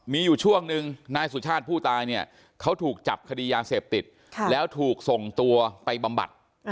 มีอยู่ช่วงหนึ่งนายสุชาติผู้ตายเนี่ยเขาถูกจับคดียาเสพติดแล้วถูกส่งตัวไปบำบัด